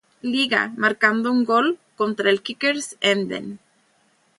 Liga, marcando un gol contra el Kickers Emden.